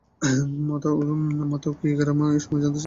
মাথা উঁচিয়ে ইকরামা এক সময় জানতে চায় কি চিন্তা করছ খালিদ?